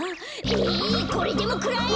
えいこれでもくらえ！